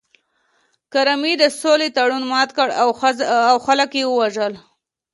کرمي د سولې تړون مات کړ او خلک یې ووژل